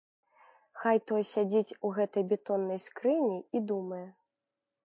Хай той сядзіць у гэтай бетоннай скрыні і думае.